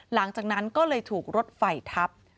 หลังจากนั้นก็เลยถูกรถไฟทับ